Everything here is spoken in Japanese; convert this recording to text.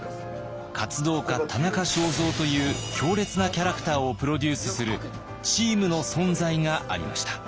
「活動家・田中正造」という強烈なキャラクターをプロデュースするチームの存在がありました。